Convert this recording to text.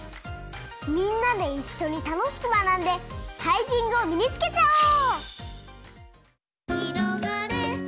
みんなでいっしょにたのしくまなんでタイピングをみにつけちゃおう！